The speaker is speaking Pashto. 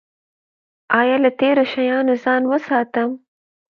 ایا له تیرو شیانو ځان وساتم؟